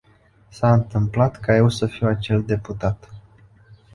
S-a întâmplat ca eu să fiu acel deputat.